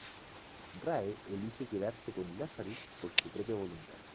Rae elige quedarse con Lazarus por su propia voluntad.